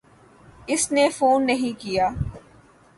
اس نے فون نہیں کیا۔